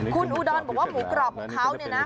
คุณอุดรบอกว่าหมูกรอบของเขาเนี่ยนะ